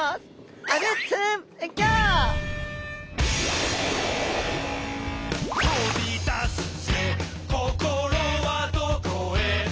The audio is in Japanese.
「飛び出すぜ心はどこへ」